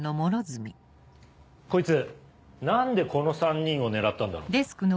こいつ何でこの３人を狙ったんだろう？